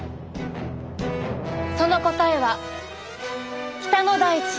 その答えは北の大地